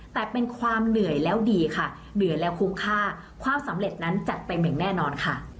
แต่เป็นความเหนื่อยแล้วดีค่ะเหนื่อยแล้วคุ้มค่าความสำเร็จนั้นจัดเต็มอย่างแน่นอนค่ะ